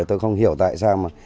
tôi không hiểu tại sao